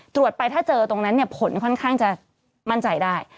ตรวจไปถ้าเจอตรงนั้นผลค่อนข้างจะมั่นใจได้